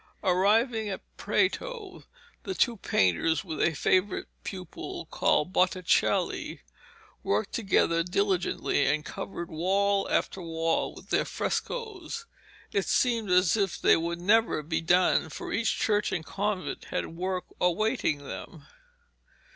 Arrived at Prato, the two painters, with a favourite pupil called Botticelli, worked together diligently, and covered wall after wall with their frescoes. It seemed as if they would never be done, for each church and convent had work awaiting them.